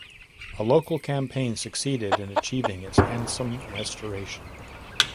A local campaign succeeded in achieving its handsome restoration.